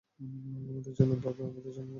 আমাদের জন্য ভাবে, আমাদের জন্য লড়ে।